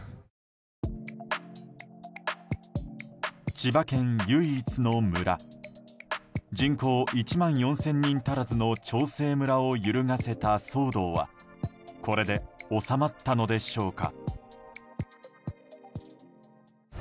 千葉県唯一の村人口１万４０００人足らずの長生村を揺るがせた騒動はこれで収まったのでしょうか。